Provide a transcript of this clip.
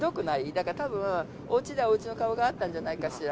だからたぶんおうちではおうちの顔があったんじゃないかしら。